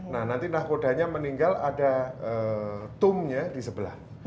nah nanti nahkodanya meninggal ada tomb nya disebelah